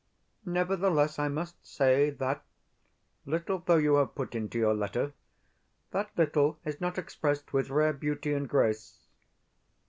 Nevertheless, I must say that, little though you have put into your letter, that little is not expressed with rare beauty and grace.